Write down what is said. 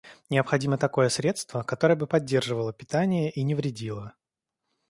Необходимо такое средство, которое бы поддерживало питание и не вредило.